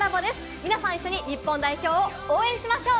皆さん一緒に日本代表を応援しましょう。